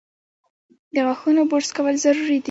د غاښونو برس کول ضروري دي۔